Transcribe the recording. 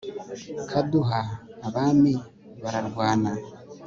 haduka abami bararwana